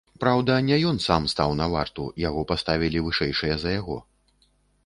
Праўда, не ён сам стаў на варту, яго паставілі вышэйшыя за яго.